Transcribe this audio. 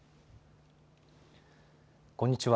こんにちは。